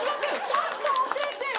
ちゃんと教えてよ。